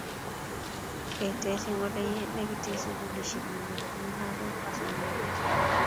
Ketech eng ye negite sukulisiek ne nyolchin lagok che mengech